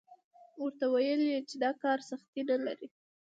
ورته ویل یې چې دا کار سختي نه لري.